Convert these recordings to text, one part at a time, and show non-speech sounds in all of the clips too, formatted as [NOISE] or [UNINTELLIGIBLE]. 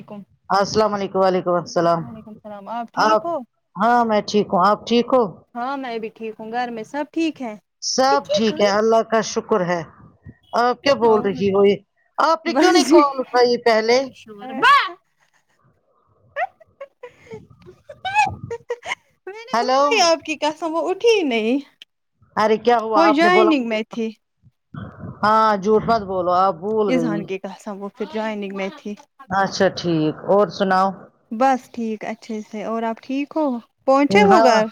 وعلیکم السلام علیکم وعلیکم السلام اسلام آپ آپ ٹھیک ہو ہاں میں ٹھیک ہوں آپ ٹھیک ہو ہاں میں بھی ٹھیک ہوں گھر میں سب ٹھیک ہے سب ٹھیک ہے اللہ کا شکر ہے آپ کی بول رہی ہو یہ آپ نے کیوں نہیں کال پائی پہلے با [UNINTELLIGIBLE] میں نے ہیلو اٹھا ہی آپ کی قسم وہ اٹھی نہیں ارے کیا ہوا کوئی آپ نے جاگی بولا نہیںگ مجھے میںھی ہاں جوٹ بات بولو آپ بھول اذہان گئی کےاس ہے وہ پھر جائننگ میںتھی اچھا ٹھیک اور سناؤ بس ٹھیک اچھے سے اور آپ ٹھیک ہو پہنچے ہو ہاں گھر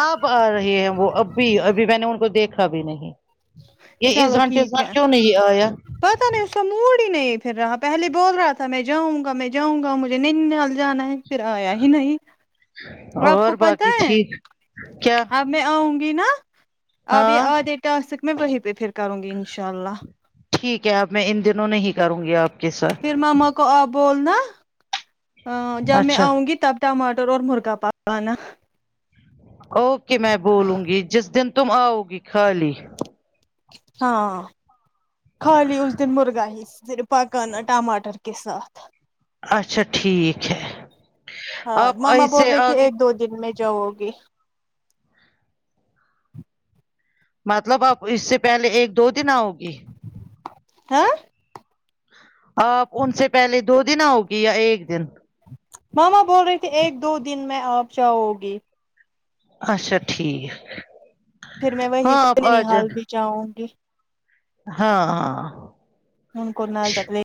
آپ آ رہے ہیں وہ ابھی ابھی میں نے ان کو دیکھا بھی نہیں یہ چلو اذہان کے ٹھیک ساتھ ہے کیوں نہیں آیا پتا نہیں اس کا موڑ ہی نہیں پھر رہا پہلے بول رہا تھا میں جاؤنگا میں جاؤں گا مجھے نینال جانا ہے پھر آیا ہی نہیں آپ اور کو پتا باقی ہے ٹھیک کیا اب میں آؤں گی نا اب یہ ہاں آدے ٹاسک میں وہیں پہ پھر کروں گی انشاء اللہ ٹھیک ہے اب میں ان دنوں نہیں ہی کروں گی آپ کے ساتھ پھر ماما کو آپ بولنا ا جب میں اچھا آؤں گی تب ٹماٹر اور مرغا پکانا اوکے میں بولوں گی جس دن تم آؤ گی خالی ہاں خالی اس دن مرغا ہی پھر پکنا ٹماٹر کے ساتھ اچھا ٹھیک ہے ہاں آپ ماما بول ایسے رہے تھھی آگے ایک دو دن میں جاؤ گی مطلب اپ اس سے پہلے ایک دو دن آؤ گی ہاں آپ ان سے پہلے دو دن آؤگی یا ایک دن ماما بول رہے تھے ایک دو دن میں آپ جاؤ گی اچھا ٹھیک پھر میں وہی ہاں سے آپ آ ننیھال جانا بھی جاؤں گی ہاں ہاں ان کونا جاتے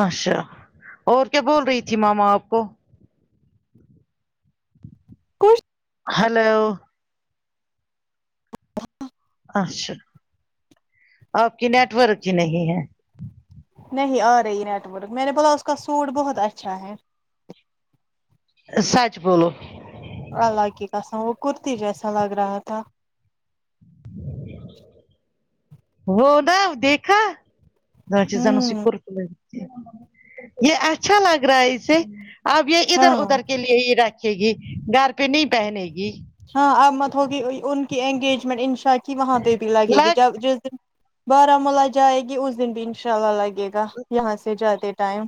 اچھا اور کیا بول رہی تھی ماما آپ کو کچھ ہیلو اچھا آپ کی نیٹورک ہی نہیں ہے نہیں آ رہی نیٹ ورک میں نے بولا اس کا سوٹ بہت اچھا ہے سچ بولو اللہ کی قسم وہ کرتی جیسا لگ رہا تھا وہ ڈا دیکھا دچ زنوں س ہوں کرت یہ اچھا لگ رہ اسے [UNINTELLIGIBLE] اب یہ ادھر ہاں ادھر کے لیے ہی رکھے گی گھر پہ نہیں پہنے گی ہاں اب مت ہوگی ان کی انگیجمنٹ انشا کی وہاں پہ بھی لگے گی لگ جب جس دن بارامولہ جائے گی اس دن بھی انشاء اللہ لگے گا یہاں سے جاتے ٹائم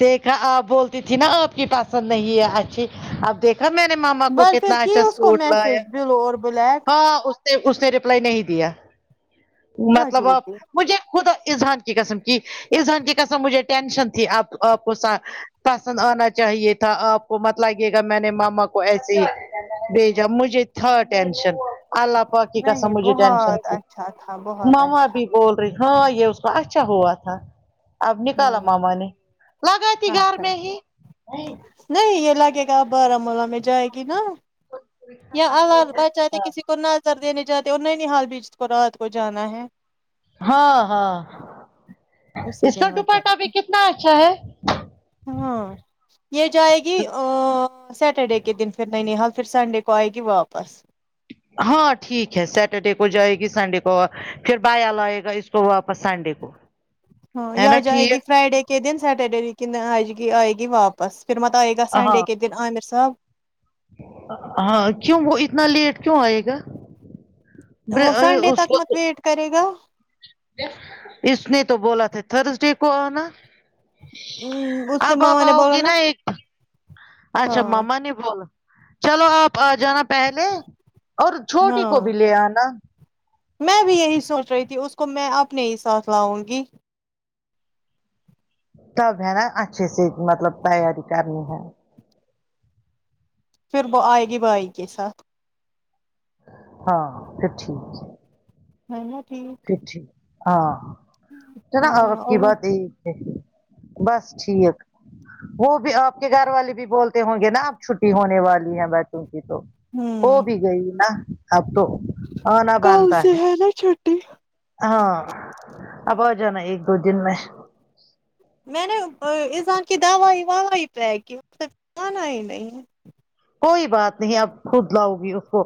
دیکھا آپ بولتی تھی نا آپ کی پسند نہیں ہے اچھی اب دیکھ کھا می نے ماما کو بس پھر کتنا کی اچھا اس کو سوٹ لایا میسج بلو اور بلیک ہاں اس نے ریپلائی نہیں دیا کیا مطلب آب جھوٹی مجھے خودا اذہان کی قسم کی اذہان کی قسم مجھے ٹینشن تھی آپ آپ کو سھ پسند آنا چاہیے تھا آپ کو مت لگے گا میں نے ماما کو ایسے ہی بھیجا مجھے تھا ٹینشن اللہ پاک کی کسم نہیں مجے ٹینشن بہت س اچھا تھا بہت مماں اچھا بھی بول ہاں یہ اس کا اچھا ہوا تھا اب نکالا ہوں ماما نے لگ کے گھر اچھا میں ہی نہیں یہ لگے گا آپ بارملہ میں جائے گی نا یا اللال بچاتے کسی کو نظر دینے جاتے اور ننیھال بیچ کو رات کو جانا ہے ہاں ہاں اسی اس دن کا وہ دوپٹا بھی جاتی کتنا اچھا ہے ہاں یہ جائے گی ام سیٹرڈے کے دن پھر ننیھال سنڈے کو آئے گی واپس ہاں ٹھیک ہے سیٹرڈے کو جائے گی سنڈے کو پھر بایا لائے گا اس کو واپس سنڈے کو ہاں ہے یا نا جائے گی ٹھیک فرائیڈے کے دن سٹرڈے ویکن آ ۓگی آئے گی واپ پس پھر مت آے گا ہاں سنڈے کے دن عامر صاب ہاں کیوں وہ اتنا لیٹ کیوں آئے گا وہ بر- اے، سنڈے اس تک کو مت ویٹ کرے گا اس نے تو بولا تھا تھرس ڈے کو آنا اس نے اب اب ماما نے آؤ بولا گی نا ایک اچھا ہاں ماما نے بولا چلو آپ آ جانا پہلے اور چھوٹی کو ہاں بھی لے آنا میں بھی یہی سوچ رہی تھی اس کو میں اپنے ہی ساتھ لاؤں گی تب ہے نا اچھے سے مطلب تیاری کرنی ہے پھر وہ آئے گی بھائی کے ساتھ ہاں پھر ٹھیک ہے نا ٹھیک پٹھی ہاں چلا آپ ہاں کی اور بات ایک بس ٹھیک وہ بھی آپ کے گھر والے بھی بولتے ہوں گے نا آپ چھٹی ہونے والی ہیں بچوں کی تو ہو ہوں بھی گئی نا اب تو آنا کل بنتا سے ہے نا چھٹی ہاں اب آ جانا ہے ایک دو دن میں میں نے ایذان کی دوائی واوائ پیک ہے صرف آنا ہی نہیں کوئی بات نہیں اب خود لاؤ گی اس کو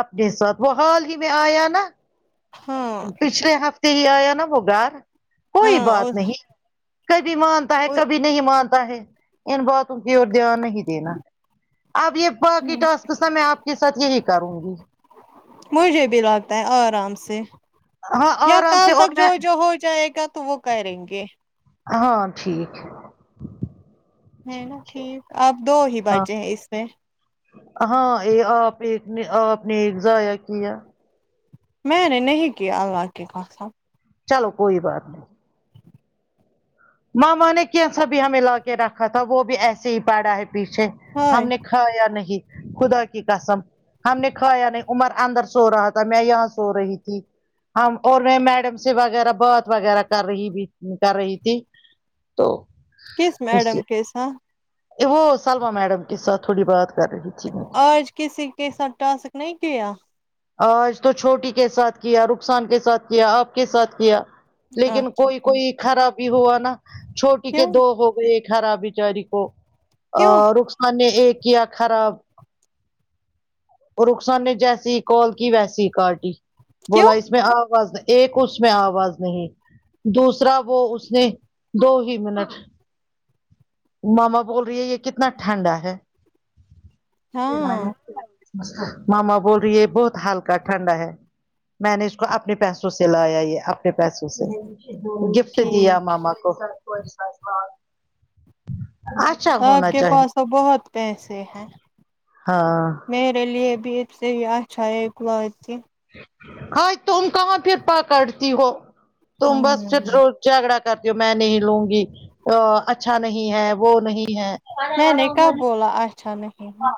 اپنے ساتھ وہ حال ہی میں آیا نا ہاں پچھلے ہفتے ہی آیا نا وہ گار کوئی بات ہاں نہیں کبھی مانتا ہے کبھی نہیں مانتا ہے ان باتوں کی اور دھیان نہیں دینا اب یہ باقی ٹاسک س میں آپ کے ساتھ یہی کروں گی مجھے بھی لگتا ہے آرام سے ہاں یا آرام کال سے اور تک جو میں جو ہو جائے گا تو وہ کریں گے ہاں ٹھیک ہے ہے نا ٹھیک آپ دو ہی ہاں بچے ہیں اس میں ہاں یہ آپ ایک نے آپ نے ایک ضایا کیا میں نے نہیں کیا اللہ کی قسم چلو کوئی بات نہیں ماما نے کیسا بھی ہمیں لا کے رکھا تھا وہ بھی ایسے ہی پڑا ہے پیچھے ہائے ہم نے کھایا نہیں خدا کی قسم ہم نے کھایا نہیں عمر اندر سو رہا تھا میں یہاں سو رہی تھی ہم اور میں میڈم سے وغیرہ بات وغیرہ کر رہی بھی کر رہی تھی تو کس اس میڈم سے کے ساتھ وہ سلما میڈم کے ساتھ تھوڑی بات کر رہی تھی میں آج کسی کےساتھ ٹاسک نہیں کیا آج تو چھوٹی کے ساتھ کیا رخسان کے ساتھ کیا آپ کے ساتھ کیا لیکن اچھا کوئی ٹھیک کوئی خرابی ہوا نا چھوٹی کے کیوں دو ہو گئے خراب بچاری کو کیوں رخسان نے ایک کیا خراب رخسان نے جیسی ہی کال کی ویسی ہی کاٹی کیوں بولا اس میں آواز ایک اس میں آواز نہیں دوسرا وہ اس نے دو ہی منٹ ماما بول رہی ہے یہ کتنا ٹھنڈا ہے ہاں ماما بول رہی ہے بہت ہلکا ٹھنڈا ہے میں نے اس کو اپنے پیسوں سے لایا یہ پیسوں سے گفٹ دیا ٹھیک ماما کو اچھا آپ ہونا کے چاہیے پاس تو بہت پیسے ہیں ہاں میرے لیے بھی ا سے ہی اچھا ہے گ ہائی تم کہاں پھر پکڑتی ہو تم بس ہوں جھگڑا کرتی ہو میں نہیں لوں گی اچھا نہیں ہے وہ نہیں ہے میں نے کب بولا اچھا نہیں ہے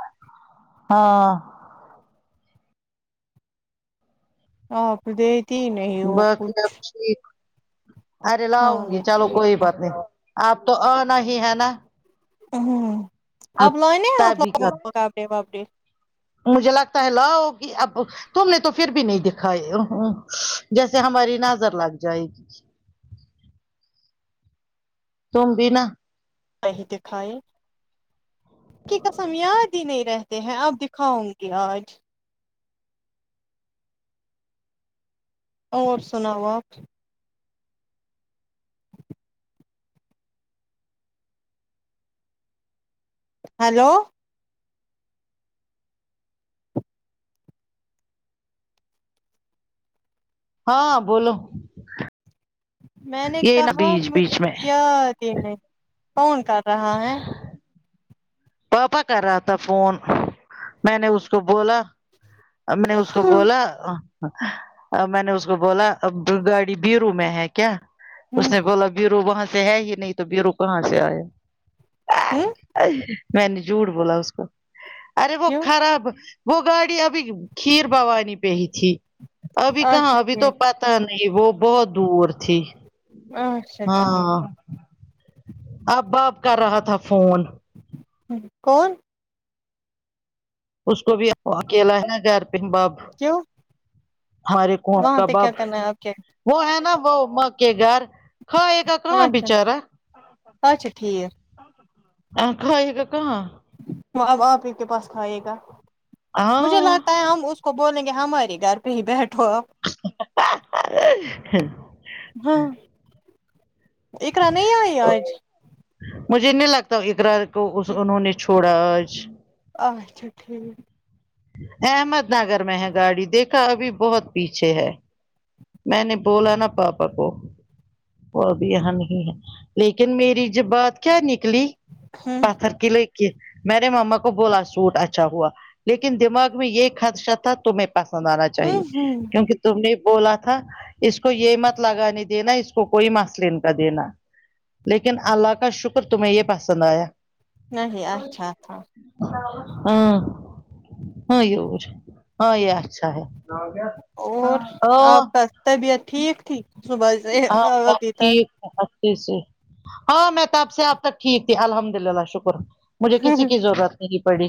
ہاں آپ دے بقی آپ ٹھیک ارے لاؤ ہاں گی میں چلو ٹھیک کوئی ہوں بات نہیں آپ تو آنا ہی ہے نا او ہو اب آپ لائنے آپ تبھی لگ کر کاپڑے وپڑے مجھے لگتا ہے لوو گی اب تم نے تو پھر بھی نہیں دکھائے ا ا جیسے ہماری نظر لگ جائے گی تم بھی نا کہی دکھائی کہ کسم یاد ہی نہیں رہتی ہیں آپ دکھاؤں گی آج اور سناؤ آپ ہیلو ہاں بولو میں نے یہ نا کہا بیچ مجھ بیچ میں یاد ہی نہیں کون کر رہا ہے پاپا کر رہا تھا فون میں نے اس کو بولا امی نے اس کو بولا ا میں نے اس کو بولا اب گاڑی بیرو میں ہے کیا اس ہوں نے بولا بیرو وہاں سے ہے ہی نہیں تو بیرو کہاں سے ہوں آیا میں نے جھوٹ بولا اس کو ارے وہ کیوں خراب وہ گاڑی ابھی کھیر بوانی پہ ہی تھی ابھی کہاں اچھا ابھی تو ٹھیک پا پت نہیں وہ بہت دور تھی اچھا ہاں ٹھیک اباپ کر رہا تھا فون کون اس کو بھی وہ اکیلا ہے نا گھر پے باب کیوں ہرے کون وہاں پہ کباب کیا کرنا ہے آپ کے [UNINTELLIGIBLE] وہ ہے نا وہ ما کے گھر کھایے گا کہاں اچھا بیچارا اچھا ٹھیک آ کھائے گا کہاں وہ اب آپ ہی کے پاس کھاے گا ہاں مجھ لاتا ہے ہم اس کو بولیں گے ہمارے گھر پہ ہی بیٹھو آپ ہاں اخرا نہیں آئی آج مجھے نہیں لگتا اخرارا کو انہوں نے چھوڑا اج اچھا ٹھیک احمد نگر میں ہے گاڑی دیکھا ابھی بہت پیچھے ہے میں نے بولا نا پاپا کو وہ بھی یہا نہیں ہے لیکن میری جب بات کیا نکلی ہوں پتھر کی لخر میںنے ماما کو بولا سوٹ اچھا ہوا لیکن دماغ میں یہ خدشہ تھا تمہیں پسند آنا ہوں چاہیے ہوں کیونکہ تم نے بولا تھا اس کو یہ مت لگانے دینا اس کو کوئی مسلین کا دینا لیکن اللہ کا شکر تمہیں یہ پسند آیا نہیں اچھا تھا ہاں ہاں یہ ہیں یہ اچھا ہے اور آپ کا طبیعت ٹھیک تھی صبح سے ابی تک اھی سے ہاں میں تب سے اب تک ٹھیک تھی الحمد للہ شکر مجھے کسی کی ضرورت نہیں پڑی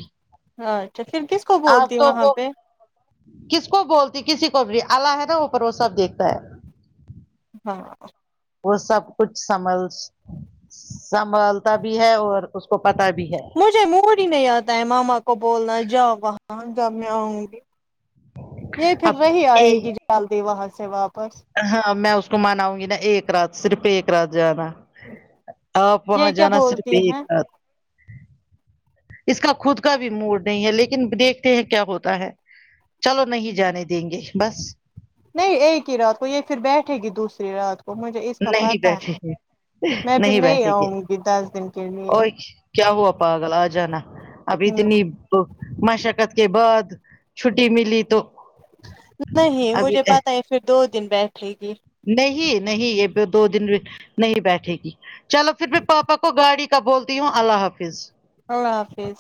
اچھا پھر کس کو آپ بولتی تو وہاں وہ پہ کس کو بولتی کسی کو بھی اللہ ہے نا اوپر وہ سب دیکھتا ہے ہاں وہ سب کچھ سمل سنبھالتا بھی ہے اور اس کو پتاہ بھی ہے مجھے موری نہیں آتا ہے ماما کو بولنا جاؤ وہاں جب میں آؤں گی یہ پھر اب رہی آئے گی جلدی وہاں سے واپس ہاں میں اس کو مناؤں گی نا ایک رات صرف ایک رات جانا آپ وہاں یہ کیا جانا صرف بولتی ایک ہیں ساتھ اس کا خود کا بھی موڈ نہیں ہے لیکن دیکھتے ہیں کیا ہوتا ہے چلو نہیں جانے دیں گے بس نہیں ایک ہی رات کو یہ پھر بیٹھے گی دوسری رات کو اس کا نہیں پتاہ بیٹھے ہے گے میں پھر نہیں بیٹھے گے آؤں گی دس دن کے لیے اور کیا ہوا پاگل آ جانا ابھی ہ اتنی مشقت کے بعد چھٹی ملی تو نہیں مجھے ابھی پت ہے پھر دو دن بیٹھے گی نہیں نہیں یہ دو دن نہیں بیٹھے گی چلو پھر میں پاپا کو گاڑی کا بولتی ہوں اللہ حافظ اللہ حافظ